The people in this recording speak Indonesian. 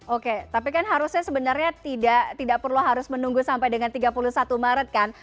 oke tapi kan harusnya sebenarnya tidak perlu harus menunggu sampai dengan tiga puluh satu maret kan